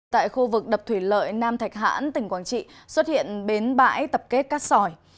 tại khu vực đập thủy lợi nam thạch hãn tỉnh quảng trị xuất hiện bến bãi tập kết cát sỏi